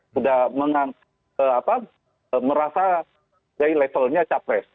sudah merasa dari levelnya capres